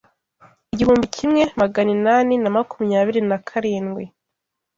igihumbi kimwe magana inani na makumyabiri na karindwi